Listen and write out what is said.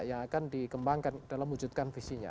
yang akan dikembangkan dalam wujudkan visinya